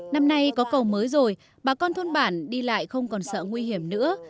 năm nay có cầu mới rồi bà con thôn bản đi lại không còn sợ nguy hiểm nữa